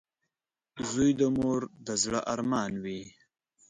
• زوی د مور د زړۀ ارمان وي.